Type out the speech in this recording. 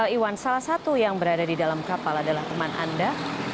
iwan salah satu yang berada di dalam kapal adalah teman anda